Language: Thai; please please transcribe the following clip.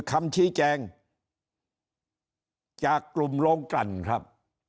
คำชี้แจงจากกลุ่มโรงกลั่นครับ